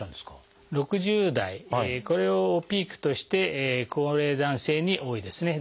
６０代これをピークとして高齢男性に多いですね。